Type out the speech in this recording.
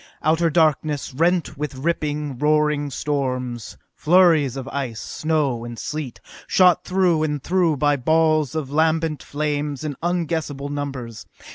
Outer darkness, rent with ripping, roaring storms, flurries of ice, snow and sleet, shot through and through by balls of lambent flames in unguessable numbers.